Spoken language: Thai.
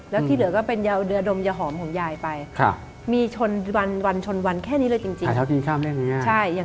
แล้วที่เหลือก็เป็นยาเดือดมยาหอมของยายไปมีชนวันชนวันแค่นี้เลยจริง